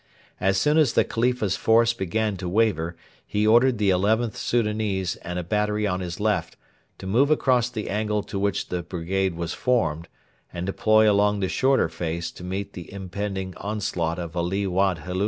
As soon as the Khalifa's force began to waver he ordered the XIth Soudanese and a battery on his left to move across the angle in which the brigade was formed, and deploy along the shorter face to meet the impending onslaught of Ali Wad Helu.